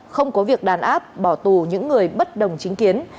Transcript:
không có việc đàn áp bỏ tù những người bất đồng chính kiến